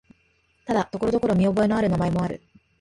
ただ、ところどころ見覚えのある名前もある。